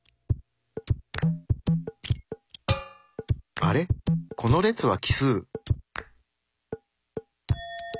あれこの列は奇数。